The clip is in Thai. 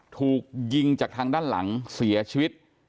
ถูกยิงจากทางด้านหลังเสียชีวิต